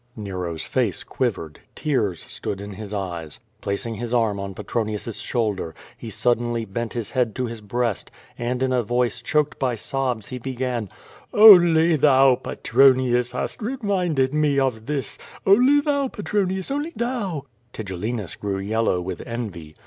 Nero's face quivered. Tears stood in his eyes. Placing his arm on Petronius' shoulder, he suddenly bent his head to his breast, and in a voice choked by sobs he began: "Only thou, Petronius, hast reminded me of this, only thou, Petronius, only thou!" Tigellinus grew yellow with envy.